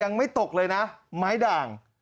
ยังไม่ตกเลยนะไม้ด่าง